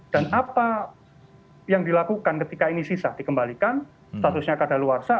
dan apa yang dilakukan ketika ini sisa dikembalikan statusnya keadaan luar saha